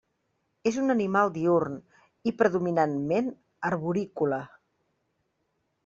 És un animal diürn i predominantment arborícola.